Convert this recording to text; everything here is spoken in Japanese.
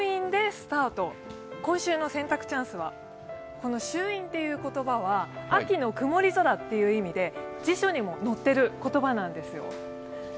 この秋陰という言葉は秋の曇り空という意味で辞書にも載っている言葉なんですよ。